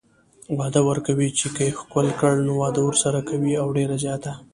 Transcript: وعده ورکوي چې که يې ښکل کړي نو واده ورسره کوي او ډيره زياته